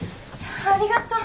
ありがとう。